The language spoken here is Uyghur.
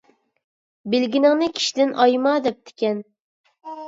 بىلگىنىڭنى كىشىدىن ئايىما دەپتىكەن.